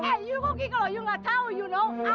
eh you koki kalau you gak tahu you know